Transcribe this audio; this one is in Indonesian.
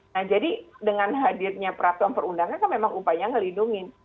nah jadi dengan hadirnya peraturan perundangan kan memang upaya melindungi